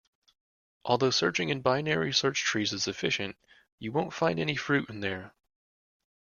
Although searching in binary search trees is efficient, you won't find any fruit in there.